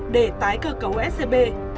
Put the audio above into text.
để tái cửa cấu scb